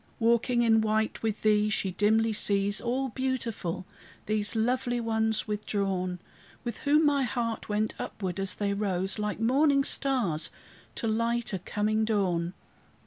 Walking in white with thee, she dimly sees, All beautiful, these lovely ones withdrawn, With whom my heart went upward, as they rose, Like morning stars, to light a coming dawn.